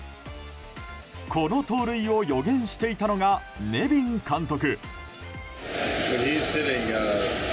この盗塁を予言していたのがネビン監督。